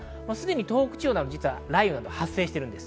東北地方など雷雨等が発生しています。